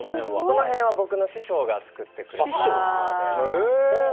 この辺は僕の師匠が作ってくれたもので。